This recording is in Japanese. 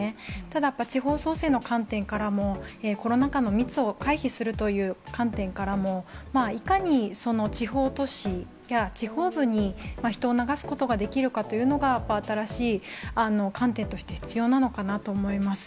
ただやっぱ、地方創生の観点からも、コロナ禍の密を回避するという観点からも、いかにその地方都市や、地方部に人を流すことができるかというのが、やっぱり新しい観点として必要なのかなと思います。